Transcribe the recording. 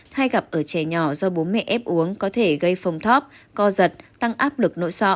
hay gặp ở trẻ nhỏ do bố mẹ ép uống có thể gây phong thóp co giật tăng áp lực nội sọ